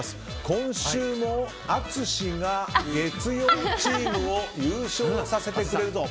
今週も淳が月曜チームを優勝させてくれるぞ。